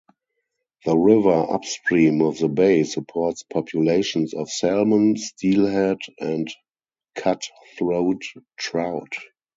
The river upstream of the bay supports populations of salmon, steelhead, and cutthroat trout.